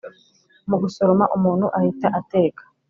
mu gusoroma umuntu ahita ateka.